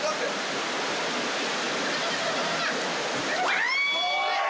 あ！